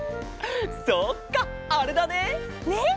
そっかあれだね！